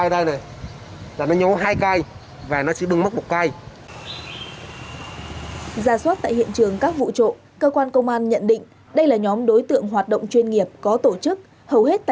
ra xuống tại hiện trường cắp vụ trộm yah quán công an nhận định đây là nhóm đối tượng hoạt động chuyên nghiệp có tổ chức hầu hết thức m